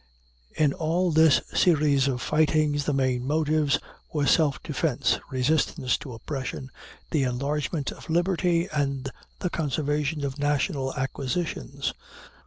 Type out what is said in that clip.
In all this series of fightings the main motives were self defense, resistance to oppression, the enlargement of liberty, and the conservation of national acquisitions.